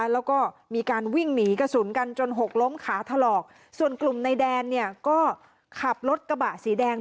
แล้วก็มีการวิ่งหนีกระสุนกันจนหกล้มขาถลอกส่วนกลุ่มในแดนเนี่ยก็ขับรถกระบะสีแดง